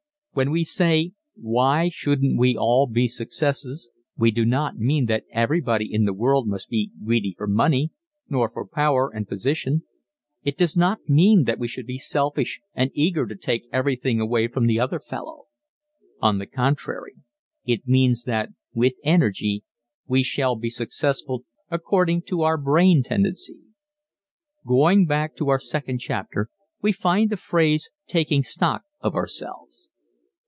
When we say: "Why shouldn't we all be successes?" we do not mean that everybody in the world must be greedy for money, nor for power and position. It does not mean that we should be selfish and eager to take everything away from the other fellow. On the contrary, it means that, with energy, we shall be successful according to our brain tendency. Going back to our second chapter we find the phrase "taking stock" of ourselves.